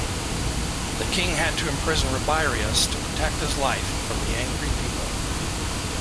The king had to imprison Rabirius to protect his life from the angry people.